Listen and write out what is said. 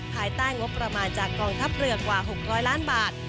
ภายใต้งบประมาณจากกองทัพเรือกว่า๖๐๐ล้านบาท